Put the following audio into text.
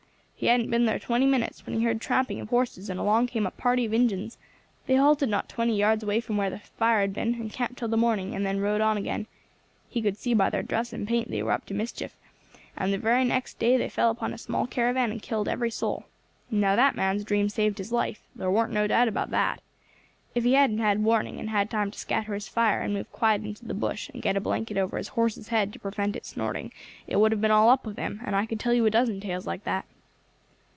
He hadn't been thar twenty minutes when he heard tramping of horses, and along came a party of Injins. They halted not twenty yards away from where his fire had been, and camped till the morning, and then rode on again. He could see by thar dress and paint they were up to mischief, and the very next day they fell upon a small caravan and killed every soul. Now that man's dream saved his life; thar warn't no doubt about that. If he hadn't had warning, and had time to scatter his fire, and move quiet into the bush, and get a blanket over his horse's head to prevent it snorting, it would have been all up with him; and I could tell you a dozen tales like that."